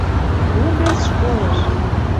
УГӸЦ ШКОЛЫШ